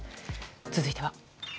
続いては。